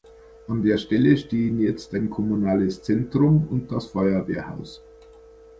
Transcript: An der Stelle stehen jetzt ein kommunales Zentrum und das Feuerwehrhaus.